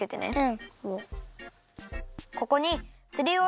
うん。